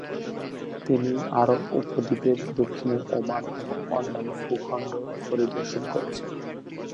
তিনি আরব উপদ্বীপের দক্ষিণে ওমান এবং অন্যান্য ভূখণ্ডও পরিদর্শন করেছেন।